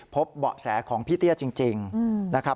เบาะแสของพี่เตี้ยจริงนะครับ